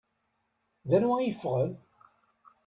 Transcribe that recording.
D anwa i yeffɣen?